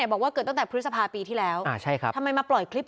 ไหนบอกว่าเกิดตั้งแต่พฤษภาพี่ที่แล้วอ่าใช่ครับทำไมมาปล่อยคลิป